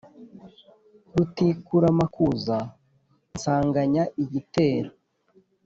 rutikuranamakuza nsanganya igitero